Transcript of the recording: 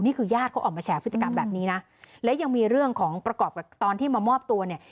ญาติเขาออกมาแฉพฤติกรรมแบบนี้นะและยังมีเรื่องของประกอบกับตอนที่มามอบตัวเนี่ย